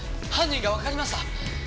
犯人がわかりました。